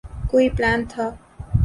کوئی پلان تھا۔